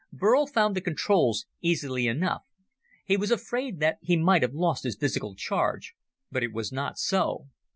Burl found the controls easily enough. He was afraid that he might have lost his physical charge, but it was not so.